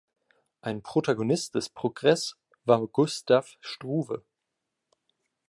Ein Protagonist des Progress war Gustav Struve.